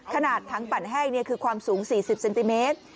ขนาดทั้งปั่นแห้งเนี่ยคือความสูงสี่สิบเซนติเมตร